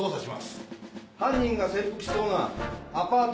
犯人が潜伏しそうなアパート